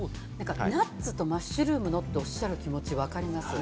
ナッツとマッシュルーム、おっしゃる気持ちわかります。